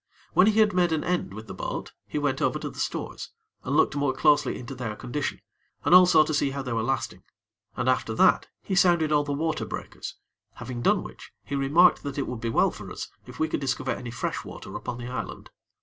When he had made an end with the boat, he went over to the stores, and looked closely into their condition, and also to see how they were lasting. And, after that, he sounded all the water breakers; having done which, he remarked that it would be well for us if we could discover any fresh water upon the island.